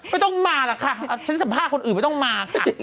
ไม่ต้องมาหรอกค่ะฉันสัมภาษณ์คนอื่นไม่ต้องมาค่ะ